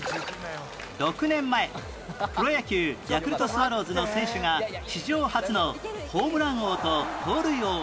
６年前プロ野球ヤクルトスワローズの選手が史上初のホームラン王と盗塁王を同時に獲得